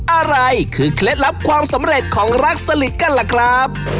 อะไรคือเคล็ดลับความสำเร็จของรักสลิดกันล่ะครับ